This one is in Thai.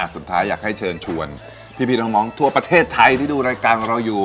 สุดท้ายอยากให้เชิญชวนพี่น้องทั่วประเทศไทยที่ดูรายการของเราอยู่